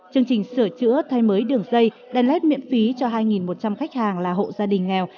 chương trình sửa chữa thay mới đường dây đèn led miễn phí cho hai một trăm linh khách hàng là hộ gia đình nghèo